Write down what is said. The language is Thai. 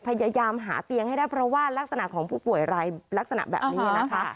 พยายามหาเตียงให้ได้เพราะว่ารักษณะของผู้ป่วยรายลักษณะแบบนี้นะคะ